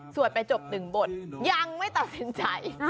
ไปจบหนึ่งบทยังไม่ตัดสินใจ